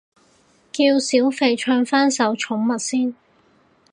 叫小肥唱返首寵物先